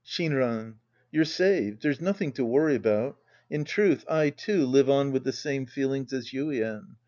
Shinran. You're saved. There's nothing to worry about. In truth, I, too, live on with the same feelings as Yuien.